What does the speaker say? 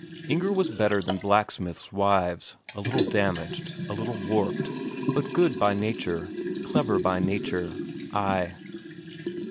Inger was better than blacksmiths' wives a little damaged, a little warped, but good by nature, clever by nature ... ay....